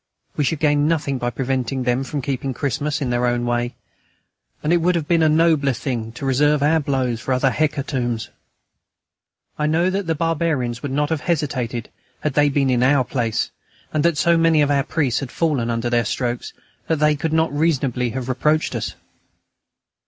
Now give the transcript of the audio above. We should gain nothing by preventing them from keeping Christmas in their own way, and it would have been a nobler thing to reserve our blows for other hecatombs. I know that the barbarians would not have hesitated had they been in our place, and that so many of our priests had fallen under their strokes that they could not reasonably have reproached us.